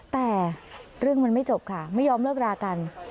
แต่เรื่องมันไม่จบค่ะไม่ยอมเลิกรากัน